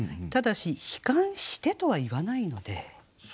ただし「避寒して」とは言わないので。